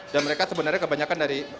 dan mereka sebenarnya kebanyakan dari